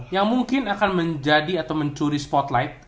yang mungkin akan menjadi atau mencuri spotlight